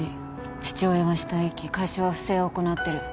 父親は死体遺棄会社は不正を行ってる